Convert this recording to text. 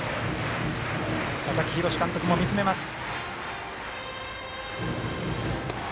佐々木洋監督も見つめます。